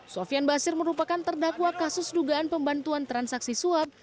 sofian basir merupakan terdakwa kasus dugaan pembantuan transaksi suap